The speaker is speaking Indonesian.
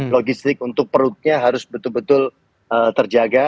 logistik untuk perutnya harus betul betul terjaga